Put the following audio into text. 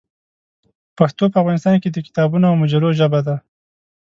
پښتو په افغانستان کې د کتابونو او مجلو ژبه ده.